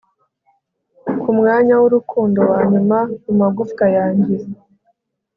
kumwanya wurukundo wanyuma mumagufwa yanjye